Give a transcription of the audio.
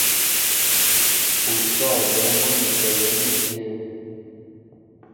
Ú sɔ̂ gwɛm bónikɛ yɛ̌n íshyə̂.